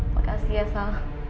makasih ya sal